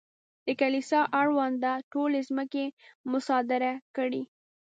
د کلیسا اړونده ټولې ځمکې مصادره کړې.